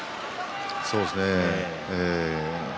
そうですね。